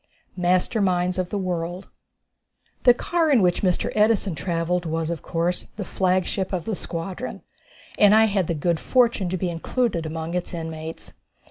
Master Minds of the World. The car in which Mr. Edison travelled was, of course, the flagship of the squadron, and I had the good fortune to be included among its inmates.